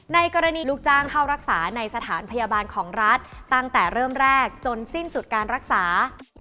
ในกรณีลูกจ้างเข้ารักษาในสถานพยาบาลของรัฐตั้งแต่เริ่มแรกจนสิ้นสุดการรักษา